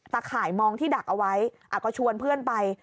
ข่ายมองที่ดักเอาไว้ก็ชวนเพื่อนไป